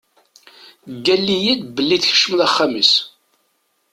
Ggal-iyi-d belli tkecmeḍ axxam-is.